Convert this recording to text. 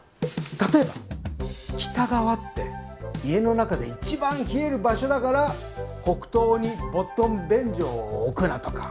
例えば北側って家の中で一番冷える場所だから北東にぼっとん便所を置くなとか。